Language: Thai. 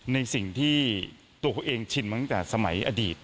ในสิ่งที่ตัวเขาเองชินมาตั้งแต่สมัยอดีต